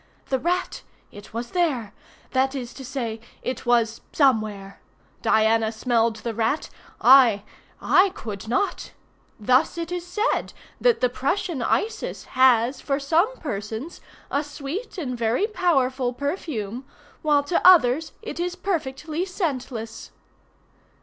The rat!—it was there—that is to say, it was somewhere. Diana smelled the rat. I—I could not! Thus it is said the Prussian Isis has, for some persons, a sweet and very powerful perfume, while to others it is perfectly scentless.